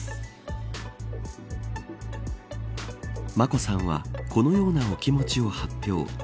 眞子さんはこのようなお気持ちを発表。